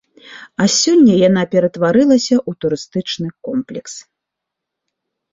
А сёння яна ператварылася ў турыстычны комплекс.